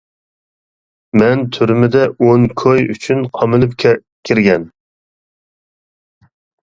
مەن تۈرمىدە. ئون كوي ئۈچۈن قامىلىپ كىرگەن.